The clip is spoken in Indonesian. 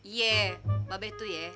iya mbak betu ya